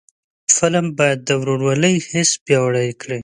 فلم باید د ورورولۍ حس پیاوړی کړي